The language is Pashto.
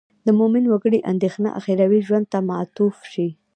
د مومن وګړي اندېښنه اخروي ژوند ته معطوف شي.